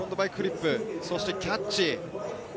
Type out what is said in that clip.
そしてキャッチ。